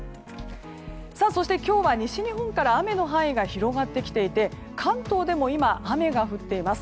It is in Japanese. そして、今日は西日本から雨の範囲が広がってきていて関東でも今、雨が降っています。